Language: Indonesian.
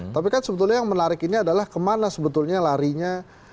tapi kan sebetulnya yang menarik ini adalah kemana sebetulnya larinya